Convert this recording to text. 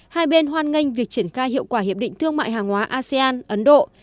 hai bên hoan nghênh việc triển khai hiệu quả hiệp định thương mại hàng hóa asean ấn độ